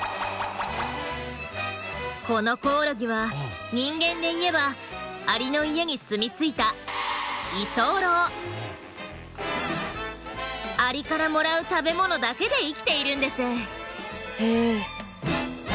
このコオロギは人間でいえばアリの家に住み着いたアリからもらう食べ物だけで生きているんです。